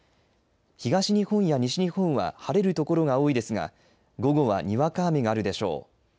東日本や西日本は晴れる所が多いですが午後は、にわか雨があるでしょう。